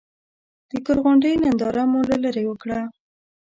د ګل غونډۍ ننداره مو له ليرې وکړه.